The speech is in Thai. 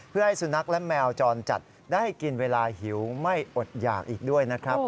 เพื่อให้สุนัขและแมวจรจัดได้กินเวลาหิวไม่อดหยากอีกด้วยนะครับ